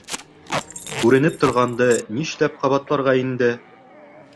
Күренеп торғанды нишләп ҡабатларға инде?